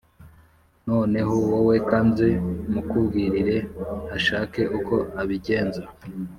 noneho wowe kanze mukubwirire ashake uko abigenza